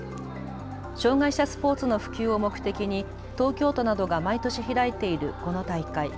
障害者スポーツの普及を目的に東京都などが毎年開いているこの大会。